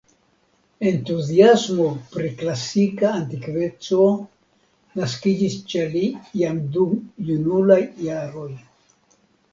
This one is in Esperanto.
Entuziasmo pri klasika antikveco naskiĝis ĉe li jam dum junulaj jaroj.